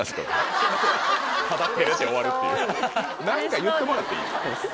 何か言ってもらっていい？